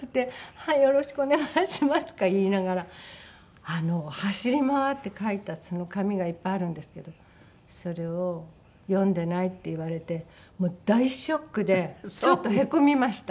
「はいよろしくお願いします」とか言いながら走り回って書いたその紙がいっぱいあるんですけどそれを「読んでない」って言われてもう大ショックでちょっとへこみました。